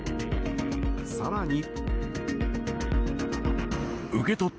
更に。